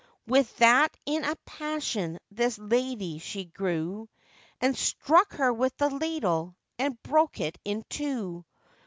With that in a passion this lady she grew, And struck her with the ladle, and broke it in two.